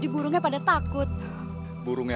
jika kamu memblahirkan ajarannya